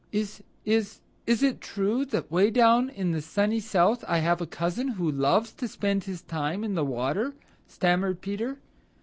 "Is is is it true that way down in the Sunny South I have a cousin who loves to spend his time in the water?" stammered Peter.